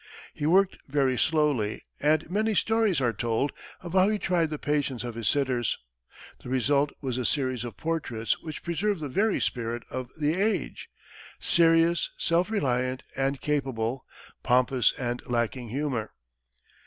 He worked very slowly and many stories are told of how he tried the patience of his sitters. The result was a series of portraits which preserve the very spirit of the age serious, self reliant and capable, pompous and lacking humor.